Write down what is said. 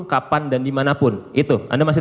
kapan dan dimanapun itu anda masih